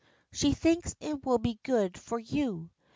She thinks it will be good for you.